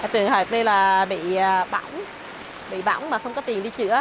trường hợp đây là bị bỏng bị bỏng mà không có tiền đi chữa